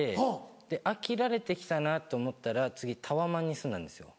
で飽きられて来たなと思ったら次タワマンに住んだんですよ。